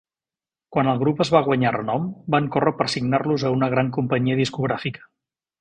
Quan el grup es va guanyar renom, van córrer per signar-los a una gran companyia discogràfica.